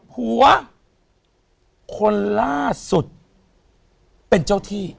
หัวคนล่าสุดเป็นเจ้าที่